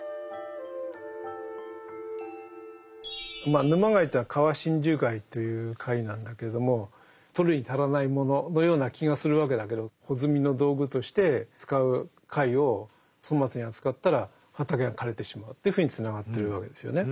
まあ沼貝というのは川真珠貝という貝なんだけれども取るに足らないもののような気がするわけだけど穂摘みの道具として使う貝を粗末に扱ったら畑が枯れてしまうというふうにつながってるわけですよね。